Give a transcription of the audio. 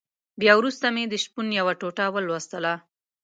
بيا وروسته مې د شپون يوه ټوټه ولوستله.